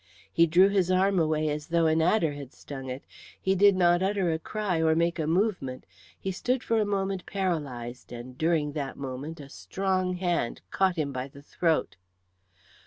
He drew his arm away as though an adder had stung it; he did not utter a cry or make a movement. He stood for a moment paralysed, and during that moment a strong hand caught him by the throat.